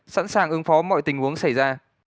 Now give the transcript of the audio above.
sẵn sàng ứng phó mọi tình huống xảy ra